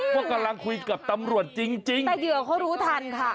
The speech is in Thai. ว่ากำลังคุยกับตำรวจจริงจริงแต่เหยื่อเขารู้ทันค่ะ